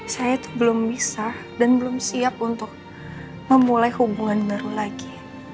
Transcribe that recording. saya itu belum bisa dan belum siap untuk memulai hubungan baru lagi